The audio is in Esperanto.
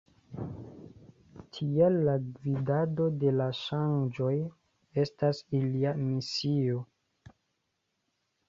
Tial la gvidado de la ŝanĝoj estas ilia misio.